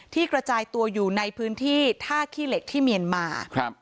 กระจายตัวอยู่ในพื้นที่ท่าขี้เหล็กที่เมียนมา